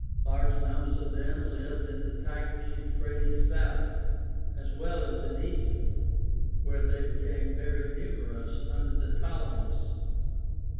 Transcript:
Large numbers of them hved in the Tigris Euphrates valley as well as in Egypt, where they became very numerous under the Ptolemies.